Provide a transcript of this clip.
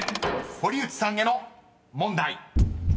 ［堀内さんへの問題］